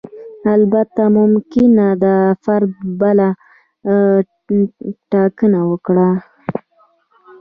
البته ممکنه ده فرد بله ټاکنه وکړي.